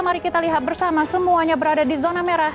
mari kita lihat bersama semuanya berada di zona merah